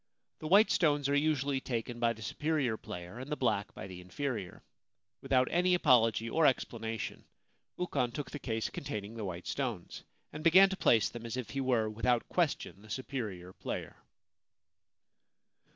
The white stones are usually taken by the superior player and the black by the inferior. Without any apology or explanation, 327 Ancient Tales and Folklore of Japan Ukon took the case containing the white stones, and began to place them as if he were without question the superior player.